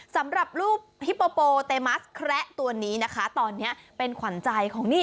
สำหรับรูปฮิปโปเตมัสแคระตัวนี้นะคะตอนนี้เป็นขวัญใจของนี่